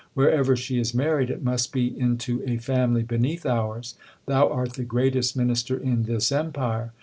Wherever she is married, it must be into a family beneath ours. Thou art the greatest minister in this empire.